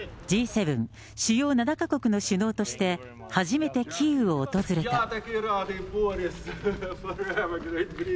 Ｇ７・主要７か国の首脳として初めてキーウを訪れた。